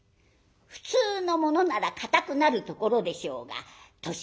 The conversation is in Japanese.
普通の者なら硬くなるところでしょうが年僅か１３の娘。